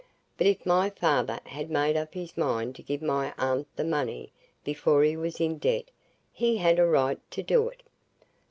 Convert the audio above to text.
But if my father had made up his mind to give my aunt the money before he was in debt, he had a right to do it."